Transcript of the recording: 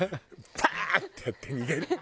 パーッ！ってやって逃げるもう。